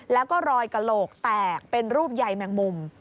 แล้วก็รอยกระโหลกแตกเป็นรูปใยแมงมุม